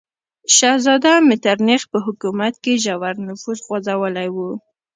شهزاده میترنیخ په حکومت کې ژور نفوذ غځولی و.